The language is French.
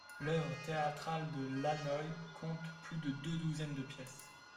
L’œuvre théâtrale de Lanoye compte plus de deux douzaines de pièces.